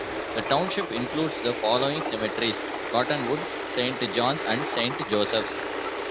The township includes the following cemeteries: Cottonwood, Saint Johns and Saint Josephs.